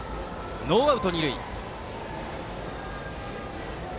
ノーアウト、二塁。